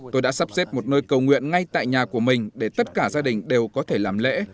tôi đã sắp xếp một nơi cầu nguyện ngay tại nhà của mình để tất cả gia đình đều có thể làm lễ